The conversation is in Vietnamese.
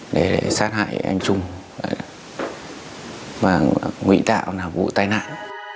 để sát hại anh trung và ngụy tạo là vụ tai nạn